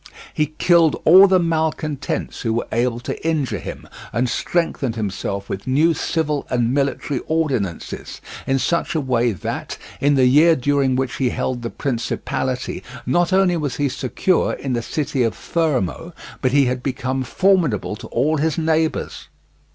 He killed all the malcontents who were able to injure him, and strengthened himself with new civil and military ordinances, in such a way that, in the year during which he held the principality, not only was he secure in the city of Fermo, but he had become formidable to all his neighbours.